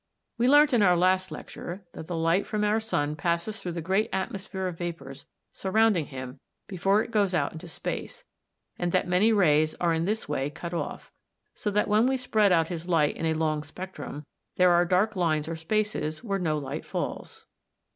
We learnt in our last lecture (p. 131) that the light from our sun passes through the great atmosphere of vapours surrounding him before it goes out into space, and that many rays are in this way cut off; so that when we spread out his light in a long spectrum there are dark lines or spaces where no light falls.